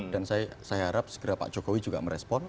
dan saya harap segera pak jokowi juga merespon